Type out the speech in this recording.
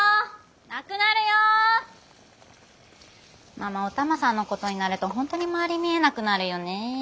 ママお玉さんのことになるとほんとに周り見えなくなるよね。